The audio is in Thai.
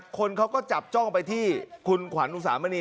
คนเขาก็จับจ้องไปที่คุณขวัญอุสามณี